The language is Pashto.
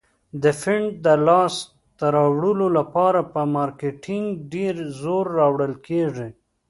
د فنډ د لاس ته راوړلو لپاره په مارکیټینګ ډیر زور راوړل کیږي.